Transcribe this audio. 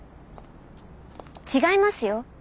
違いますよ。